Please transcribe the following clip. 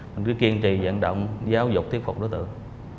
mình cứ kiên trì vận động giáo dục tiếp phục đối tượng